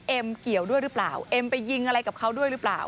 เกี่ยวด้วยหรือเปล่าเอ็มไปยิงอะไรกับเขาด้วยหรือเปล่า